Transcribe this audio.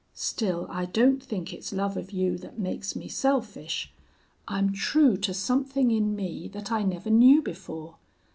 Still I don't think it's love of you that makes me selfish. I'm true to something in me that I never knew before.